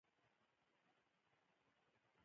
• رعیت رعیت وي.